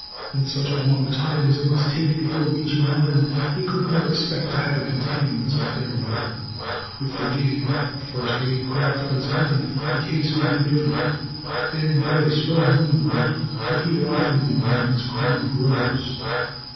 In such a long time as it must take before reaching land, they could not expect to have a continuance of fair weather. With the gig, a first rate craft of its kind, the case would be different. Ben Brace well knew the boat, for he had often been one of its crew of rowers.